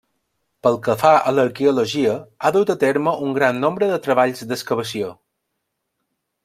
Pel que fa a l'arqueologia, ha dut a terme un gran nombre de treballs d'excavació.